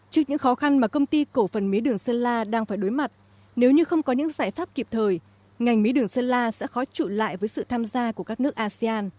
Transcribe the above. trước những khó khăn mà công ty cổ phần mía đường sơn la đang phải đối mặt nếu như không có những giải pháp kịp thời ngành mía đường sơn la sẽ khó trụ lại với sự tham gia của các nước asean